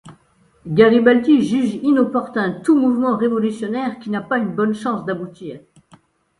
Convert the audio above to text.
Garibaldi juge inopportun tout mouvement révolutionnaire qui n'a pas une bonne chance d'aboutir.